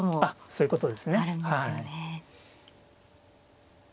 そういうことですね。